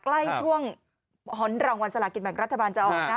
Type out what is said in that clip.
ใกล้ช่วงหอนรางวัลสลากินแบ่งรัฐบาลจะออกนะ